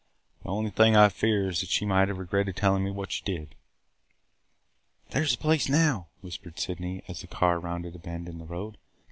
The only thing I fear is that she might have regretted telling me what she did." "There 's the place now!" whispered Sydney, as the car rounded a bend in the road.